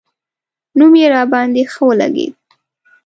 نوم یې راباندې ښه ولګېد.